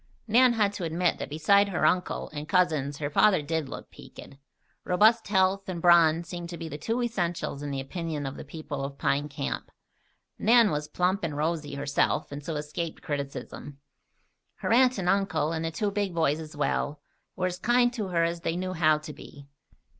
Nan had to admit that beside her uncle and cousins her father did look "peaked." Robust health and brawn seemed to be the two essentials in the opinion of the people of Pine Camp. Nan was plump and rosy herself and so escaped criticism. Her uncle and aunt, and the two big boys as well, were as kind to her as they knew how to be.